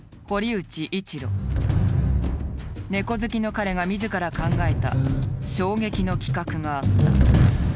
ネコ好きの彼が自ら考えた衝撃の企画があった。